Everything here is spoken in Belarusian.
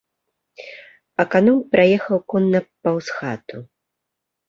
Аканом праехаў конна паўз хату.